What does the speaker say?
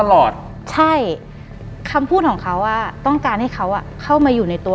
หลังจากนั้นเราไม่ได้คุยกันนะคะเดินเข้าบ้านอืม